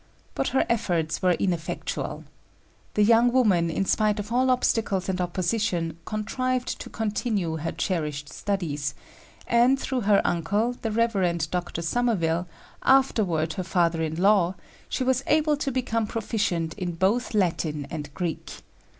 But her efforts were ineffectual. The young woman, in spite of all obstacles and opposition, contrived to continue her cherished studies; and, through her uncle, the Rev. Dr. Somerville, afterward her father in law, she was able to become proficient in both Latin and Greek.